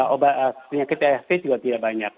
obat penyakit ifc juga tidak banyak